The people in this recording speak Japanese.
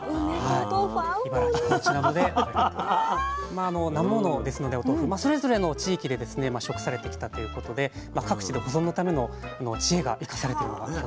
まあなま物ですのでお豆腐それぞれの地域で食されてきたということで各地で保存のための知恵が生かされてるのが。